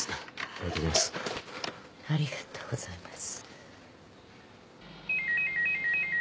ありがとうございます。